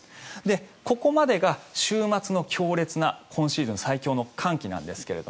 ここまでが週末の強烈な今シーズン最強の寒気なんですが。